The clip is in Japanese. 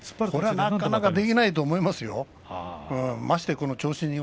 これはなかなかできないと思いますよ。